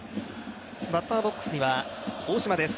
バッターボックスには大島です。